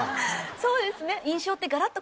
そうですね